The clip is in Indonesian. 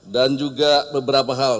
dan juga beberapa hal